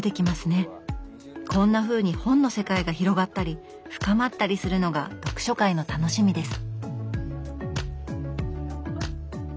こんなふうに本の世界が広がったり深まったりするのが読書会の楽しみです。